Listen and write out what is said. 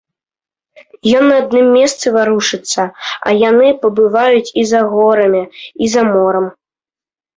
Ён на адным месцы варушыцца, а яны пабываюць і за горамі, і за морам.